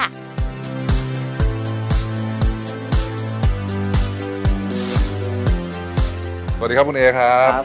สวัสดีครับคุณเอครับ